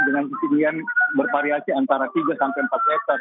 dengan ketinggian bervariasi antara tiga sampai empat hektare